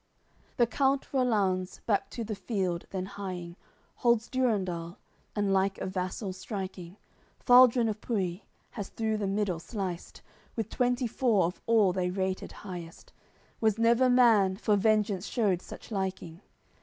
CXLI The count Rollanz, back to the field then hieing Holds Durendal, and like a vassal striking Faldrun of Pui has through the middle sliced, With twenty four of all they rated highest; Was never man, for vengeance shewed such liking.